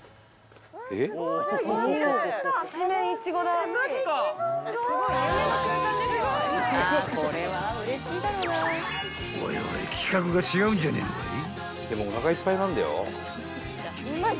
［おいおい企画が違うんじゃねぇのかい？］